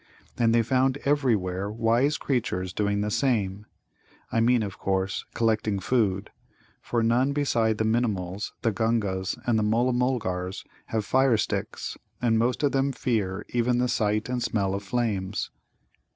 And they found everywhere wise creatures doing the same I mean, of course, collecting food for none beside the Minimuls, the Gungas, and the Mulla mulgars have fire sticks, and most of them fear even the sight and smell of flames.